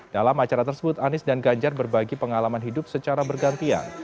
dalam acara tersebut anies dan ganjar berbagi pengalaman hidup secara bergantian